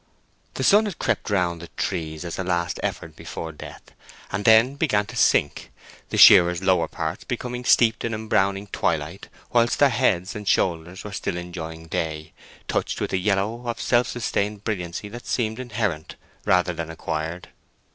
The sun had crept round the tree as a last effort before death, and then began to sink, the shearers' lower parts becoming steeped in embrowning twilight, whilst their heads and shoulders were still enjoying day, touched with a yellow of self sustained brilliancy that seemed inherent rather than acquired.